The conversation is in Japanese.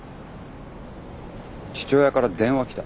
父親から電話来た。